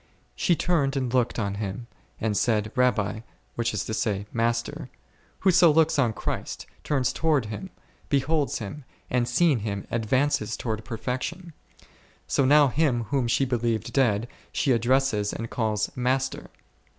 She turned and looked on Him, and said, Rabbi ; which is to say, Master : whoso looks on Christ, turns towards Him, beholds Him, and, seeing Him, advances towards perfection; so now Him whom she believed dead, she addresses and calls Master.